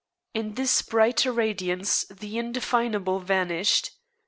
In this brighter radiance the indefinable vanished.